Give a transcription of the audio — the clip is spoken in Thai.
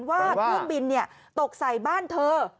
ว่าเครื่องบินตกใส่บ้านเธอ